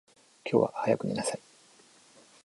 今日は早く寝なさい。